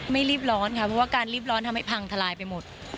ไม่รีบร้อนค่ะเพราะว่าการรีบร้อนทำให้พังทลายไปหมด